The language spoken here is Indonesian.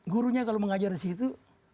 gurunya kalau mengajar disitu